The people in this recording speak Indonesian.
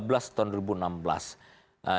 pertanyaan nomor tiga belas tahun dua ribu enam belas